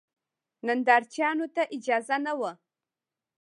نندارچیانو ته اجازه نه وه.